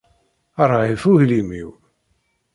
Rhif uglim-iw.